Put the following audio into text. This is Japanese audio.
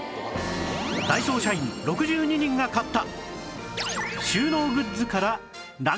ダイソー社員６２人が買った